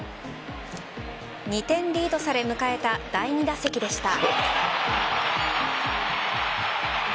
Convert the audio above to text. ２点リードされ迎えた第２打席でした。